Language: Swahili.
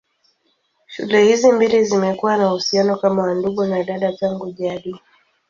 Shule hizi mbili zimekuwa na uhusiano kama wa ndugu na dada tangu jadi.